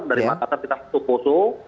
dari makassar kita ke poso